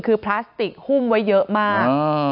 คือพลาสติกหุ้มไว้เยอะมาก